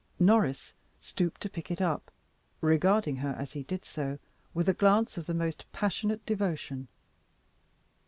Norris stooped to pick it up, regarding her as he did so with a glance of the most passionate devotion.